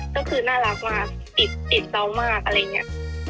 ก็คือน่ารักมากติดเรามากอะไรอย่างนี้